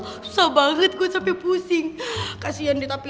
susah banget gue sampe pusing kasian deh tapi